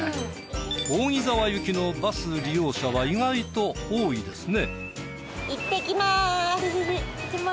扇沢行きのバス利用者は意外と多いですね。